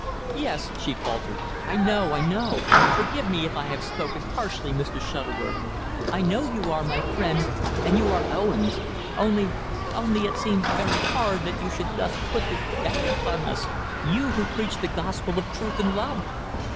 "Yes," she faltered, "I know I know! Forgive me if I have spoken harshly, Mr. Shuttleworth. I know you are my friend and you are Owen's. Only only it seems very hard that you should thus put this ban upon us you, who preach the gospel of truth and love."